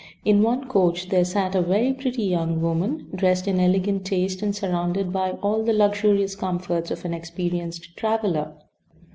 In one coach there sat a very pretty young woman dressed in elegant taste and surrounded by all the luxurious comforts of an experienced traveler.